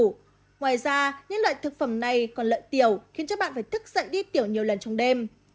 ngoài ra những loại thực phẩm này còn lợn tiểu khiến cho bạn phải thức dậy đi tiểu nhiều lần trong đêm